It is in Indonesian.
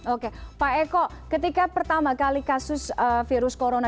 oke pak eko ketika pertama kali kasus virus corona